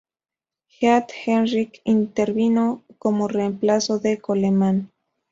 Heath Herring intervino como reemplazo de Coleman.